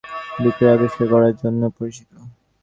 তিনি কেটিন এবং স্টাউডিঞ্জার বিক্রিয়া আবিষ্কার করার জন্যও পরিচিত।